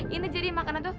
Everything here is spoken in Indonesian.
ini jadi makanan tuh